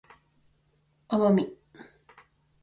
奄美